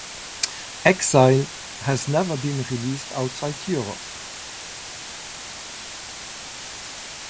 Exile has never been released outside Europe.